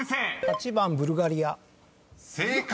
８番「ブルガリア」［正解！